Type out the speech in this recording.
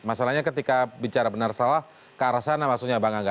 masalahnya ketika bicara benar salah ke arah sana maksudnya bang angga